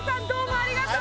ありがとう！